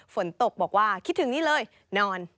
ฝนตกบอกว่าคิดถึงนี่เลยนอน